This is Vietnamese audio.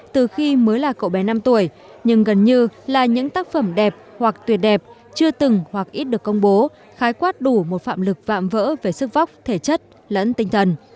từ khi mới là cậu bé năm tuổi nhưng gần như là những tác phẩm đẹp hoặc tuyệt đẹp chưa từng hoặc ít được công bố khái quát đủ một phạm lực vạm vỡ về sức vóc thể chất lẫn tinh thần